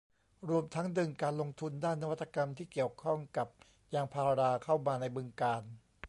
รวมทั้งดึงการลงทุนด้านนวัตกรรมที่เกี่ยวข้องกับยางพาราเข้ามาในบึงกาฬ